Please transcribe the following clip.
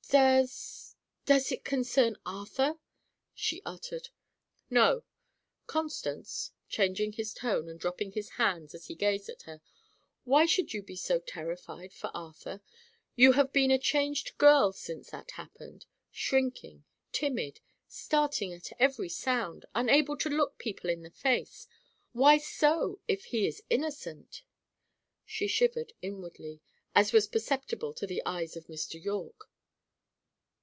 "Does does it concern Arthur?" she uttered. "No. Constance," changing his tone, and dropping his hands as he gazed at her, "why should you be so terrified for Arthur? You have been a changed girl since that happened shrinking, timid, starting at every sound, unable to look people in the face. Why so, if he is innocent?" She shivered inwardly, as was perceptible to the eyes of Mr. Yorke.